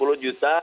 nah sepuluh juta